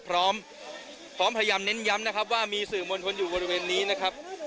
พร้อมพร้อมพยายามเน้นย้ำนะครับว่ามีสื่อมวลชนอยู่บริเวณนี้นะครับ